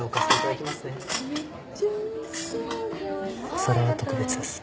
お皿は特別です。